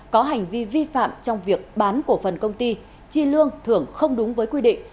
có hành vi vi phạm trong việc bán cổ phần công ty chi lương thưởng không đúng với quy định